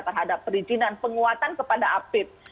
terhadap perizinan penguatan kepada apip